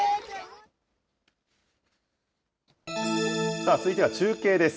さあ、続いては中継です。